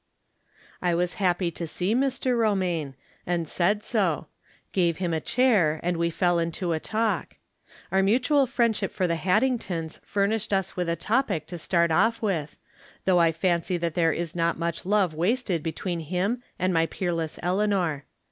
I was happy to see Mr. Romaine, and said so — gave him a chair, and we fell into a talk. Oui' mutual friendship for the Haddingtons furnished us with a topic to start off with, though I fancy that there is pot much love wasted between him and my peerless Eleanor.